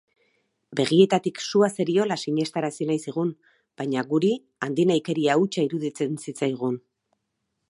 Begietatik sua zeriola sinestarazi nahi zigun baina guri handinahikeria hutsa iruditzen zitzaigun.